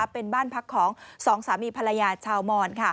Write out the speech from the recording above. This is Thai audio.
เป็นบ้านพักของสองสามีภรรยาชาวมอน